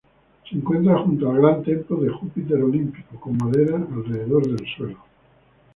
Se encuentran junto al gran Templo de Júpiter Olímpico, con madera alrededor del suelo.